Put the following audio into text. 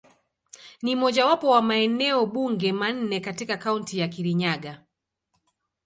Ni mojawapo wa maeneo bunge manne katika Kaunti ya Kirinyaga.